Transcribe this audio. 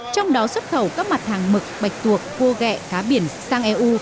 trong đó xuất khẩu các mặt hàng mực bạch tuộc cua gẹ cá biển sang eu